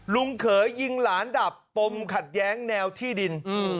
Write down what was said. เขยยิงหลานดับปมขัดแย้งแนวที่ดิน